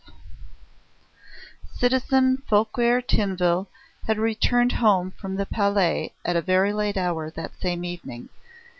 XII Citizen Fouquier Tinville had returned home from the Palais at a very late hour that same evening.